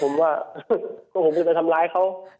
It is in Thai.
กลัวผมว่ากลัวผมจะไปทำร้ายเขา